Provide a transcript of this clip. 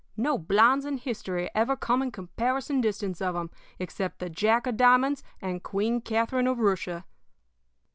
No blondes in history ever come in comparison distance of him except the Jack of Diamonds and Queen Catherine of Russia.